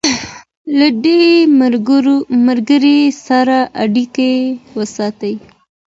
له دې ملګري سره اړیکه وساتئ.